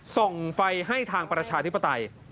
ส่งไฟให้ทางประชาธิปไตย